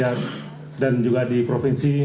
ya dan juga di provinsi